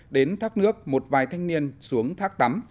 đến thác nước một vài thanh niên xuống thác tắm